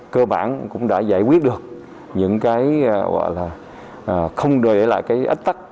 cơ bản cũng đã giải quyết được những cái gọi là không để lại cái ách tắc